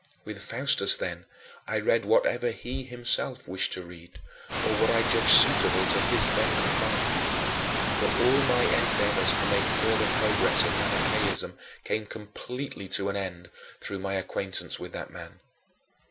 With Faustus then I read whatever he himself wished to read, or what I judged suitable to his bent of mind. But all my endeavors to make further progress in Manicheism came completely to an end through my acquaintance with that man.